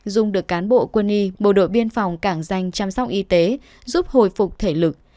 dung được cán bộ quân y bộ đội biên phòng cảng danh chăm sóc y tế giúp hồi phục thể lực